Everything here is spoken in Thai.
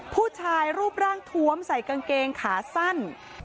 ผู้ชายรูปร่างทวมใส่กางเกงขาสั้น